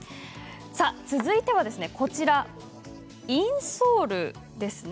続いてはインソールです。